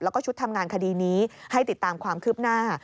แล้วก็ชุดทำงานคดีนี้ให้ติดตามความคืบหน้า